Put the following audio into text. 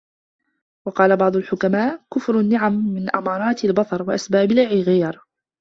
وَقَالَ بَعْضُ الْحُكَمَاءِ كُفْرُ النِّعَمِ مِنْ أَمَارَاتِ الْبَطَرِ وَأَسْبَابِ الْغِيَرِ